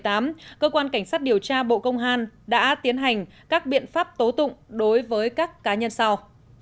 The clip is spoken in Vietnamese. đồng thời tiếp tục mở rộng điều tra sử dụng của hội trang bộ công an đã tiến hành các biện pháp tố tụng đối với các cá nhân sau